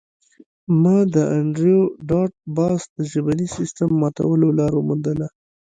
ما د انډریو ډاټ باس د ژبني سیستم ماتولو لار وموندله